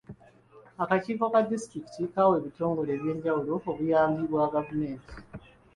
Akakiiko ka disitulikiti kawa ebitongole ebyenjawulo obuyambi bwa gavumenti.